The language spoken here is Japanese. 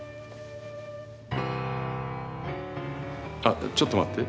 あちょっと待って。